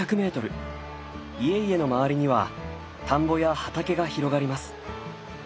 家々の周りには田んぼや畑が広がります。